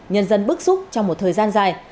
nhân dân bức xúc trong một thời gian dài